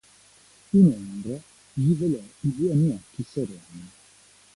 Un'ombra gli velò i buoni occhi sereni.